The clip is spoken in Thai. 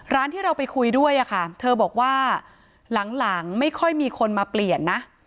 ร้านที่เราไปคุยด้วยค่ะเธอบอกว่าหลังไม่ค่อยมีคนมาเปลี่ยนนะ